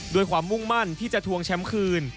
ความมุ่งมั่นที่จะทวงแชมป์คืน